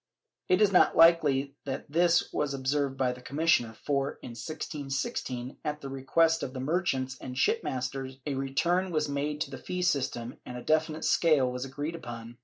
It is not likely that this was observed by the commissioner for, in 1616, at the request of the merchants and shipmasters, a return was made to the fee system and a definite scale was agreed upon.